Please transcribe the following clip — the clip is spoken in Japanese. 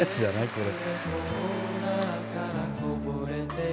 これ。